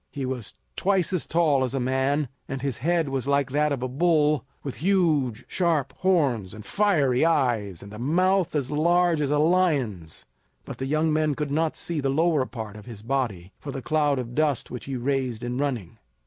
He was twice as tall as a man, and his head was like that of a bull with huge sharp horns and fiery eyes and a mouth as large as a lion's; but the young men could not see the lower part of his body for the cloud of dust which he raised in running.